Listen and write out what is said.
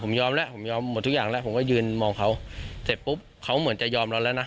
ผมยอมแล้วผมยอมหมดทุกอย่างแล้วผมก็ยืนมองเขาเสร็จปุ๊บเขาเหมือนจะยอมเราแล้วนะ